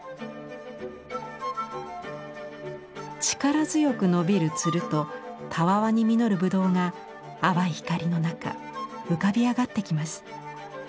力強く伸びる蔓とたわわに実る葡萄が淡い光の中浮かび上がってきます。